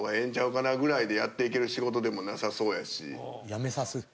辞めさす。